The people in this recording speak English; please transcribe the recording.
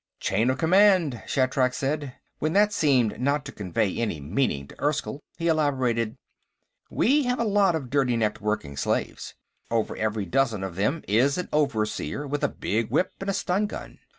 "Chain of command," Shatrak said. When that seemed not to convey any meaning to Erskyll, he elaborated: "We have a lot of dirty necked working slaves. Over every dozen of them is an overseer with a big whip and a stungun.